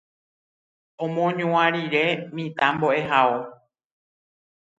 omohu'ã rire mitãmbo'ehao